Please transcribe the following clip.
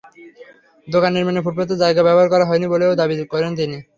দোকান নির্মাণে ফুটপাতের জায়গা ব্যবহার করা হয়নি বলেও দাবি করেন তিনি।